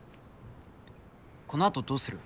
このあとどうする？